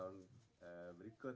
beberapa tahun berikut